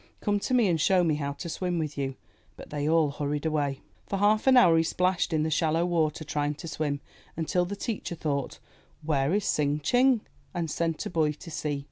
''Come to me and show me how to swim with you." But they all hurried away. For half an hour he splashed in the shallow water, trying to swim, until the teacher thought, ''Where is Tsing Ching?" and sent a boy to see.